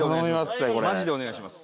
マジでお願いします